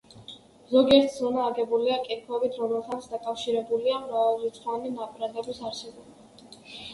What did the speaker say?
ზოგიერთი ზონა აგებულია კირქვებით, რომელთანაც დაკავშირებულია მრავალრიცხოვანი ნაპრალების არსებობა.